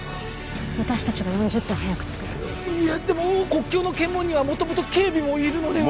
私たちが４０分早く着くああいやでも国境の検問には元々警備もいるのでは？